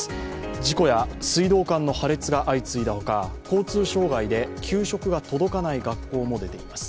事故や水道管の破裂が相次いだほか交通障害で給食が届かない学校も出ています。